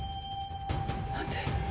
何で？